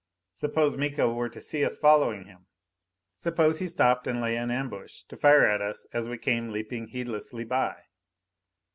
Suppose Miko were to see us following him? Suppose he stopped and lay in ambush to fire at us as we came leaping heedlessly by?